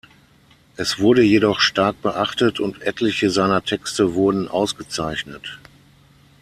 Es wurde jedoch stark beachtet und etliche seiner Texte wurden ausgezeichnet.